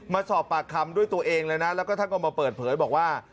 มาสอบปากคำด้วยตัวเองเลยนะแล้วก็ท่านก็มาเปิดเผยบอกว่า